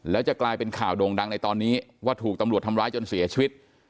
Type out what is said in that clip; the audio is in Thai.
แล้วจะกลายเป็นข่าวโด่งดังในตอนนี้ว่าถูกตำรวจทำร้ายจนเสียชีวิต